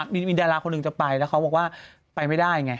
มีดาราคนหนึ่งจะไปแล้วเขาบอกว่าไปไม่ได้ไง